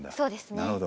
なるほど。